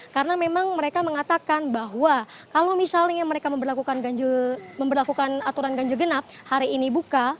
karena memang mereka mengatakan bahwa kalau misalnya mereka memperlakukan aturan ganjil genap hari ini buka